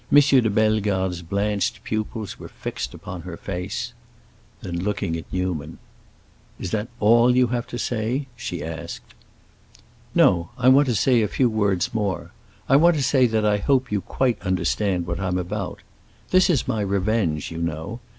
de Bellegarde's blanched pupils were fixed upon her face. Then, looking at Newman, "Is that all you have to say?" she asked. "No, I want to say a few words more. I want to say that I hope you quite understand what I'm about. This is my revenge, you know.